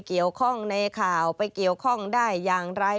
เกี่ยวข้องในข่าวไปเกี่ยวข้องได้อย่างไร